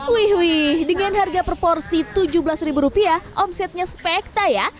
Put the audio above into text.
wih dengan harga per porsi rp tujuh belas omsetnya spekta ya